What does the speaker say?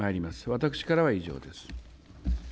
私からは以上です。